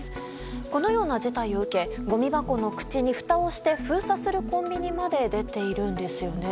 このような事態を受けごみ箱の口にふたをして封鎖するコンビまで出ているんですね。